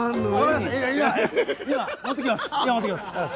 今持ってきます。